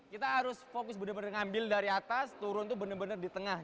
kita harus fokus benar benar ngambil dari atas turun itu benar benar di tengah